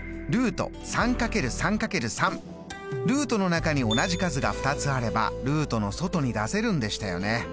ルートの中に同じ数が２つあればルートの外に出せるんでしたよね。